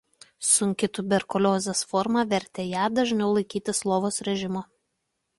Sunki tuberkuliozės forma vertė ją vis dažniau laikytis lovos režimo.